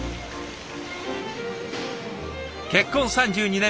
結婚３２年目。